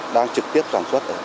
đang trực tiếp sản xuất